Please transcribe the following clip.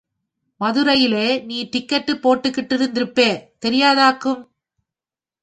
மதுரையிலே நீ டிக்கெட்டுப் போட்டுக் கிட்டிருந்திருப்பே, தெரியாதாக்கும்.